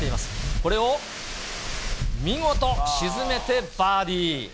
これを、見事沈めてバーディー。